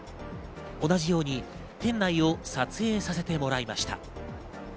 同じように店内を撮影させてもらいました。